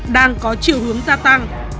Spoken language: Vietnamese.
đang có triệu hướng gia tăng